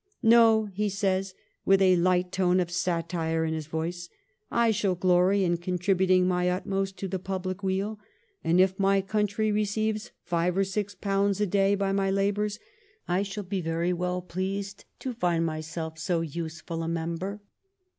' No,' he says, with a light tone of satire in his voice, ' I shall glory in contributing my utmost to the public weal, and if my country receives five or six pounds a day by my labours I shall be very well pleased to find myself so useful a member.'